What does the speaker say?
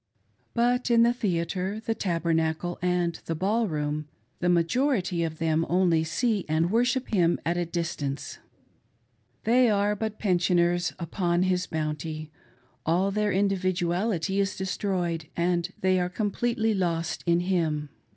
But in the theatre, the Taber nacle, and the ball room, the majority of them only see and worship him at a distance. They are but pensioners upon his bounty ; all their individuality is destroyed, and they are completely lost in him.